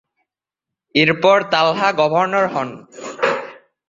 এরপর তালহা গভর্নর হন।